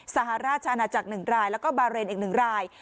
สหราชอาณาจักร๑รายแล้วก็บาเรนอีก๑ราย